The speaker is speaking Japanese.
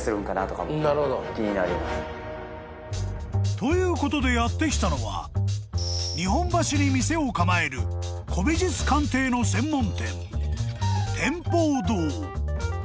［ということでやって来たのは日本橋に店を構える古美術鑑定の専門店］